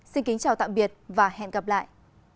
xin chào tạm biệt và hẹn gặp lại